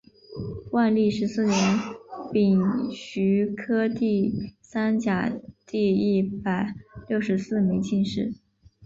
万历十四年丙戌科第三甲第一百六十四名进士。